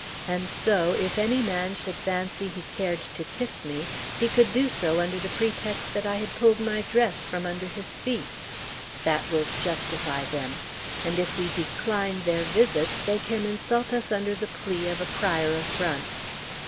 And so, if any man should fancy he cared to kiss me, he could do so under the pretext that I had pulled my dress from under his feet! That will justify them! And if we decline their visits, they can insult us under the plea of a prior affront.